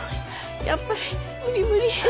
やっぱり無理無理。